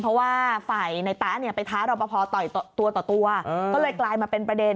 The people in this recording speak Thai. เพราะว่าฝ่ายนายต๊าไปท้ารอปภต่อตัวก็เลยกลายมาเป็นประเด็น